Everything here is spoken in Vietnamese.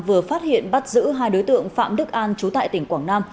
vừa phát hiện bắt giữ hai đối tượng phạm đức an trú tại tỉnh quảng nam